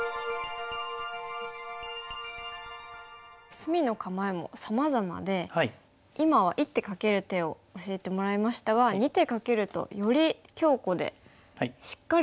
隅の構えもさまざまで今は１手かける手を教えてもらいましたが２手かけるとより強固でしっかりとした構えができますよね。